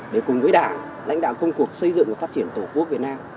để cùng với đảng lãnh đạo công cuộc xây dựng và phát triển tổ quốc việt nam